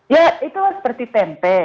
ya itu seperti tempe